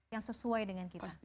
yang sesuai dengan kita